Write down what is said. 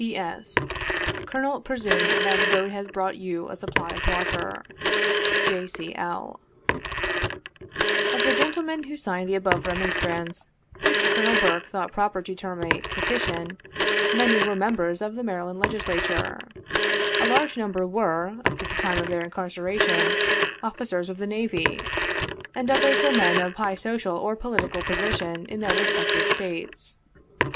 " P.S. — Colonel presumed that boat has brought you a supply of water. J C. L." Of the gentlemen who signed the above remonstrance, which Colonel Burke thought proper to term a " Petition," many were members of the Maryland Legislature ; a large number were, up to the time of their incarceration, officers of the Navy ; and others were men of high social or political position in their respective States.